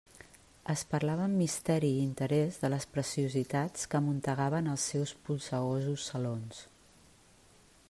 Es parlava amb misteri i interès de les preciositats que amuntegava en els seus polsegosos salons.